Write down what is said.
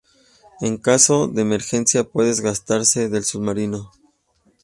En caso de emergencia pueden gastarse del submarino.